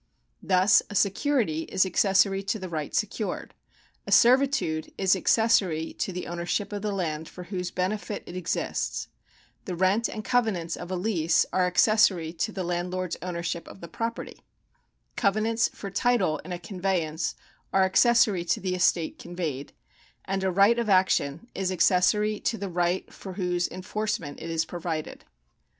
Thus a .security is accessory to the right secured ; a servitude is accessory to the ownership of the land for whose benefit it exists ; the rent and covenants of a lease are accessory to the landlord's ownership of the property ; covenants for title in a conveyance are accessory to the estate conveyed ; and a right of action is accessory to the right for whose enforcement it is provided.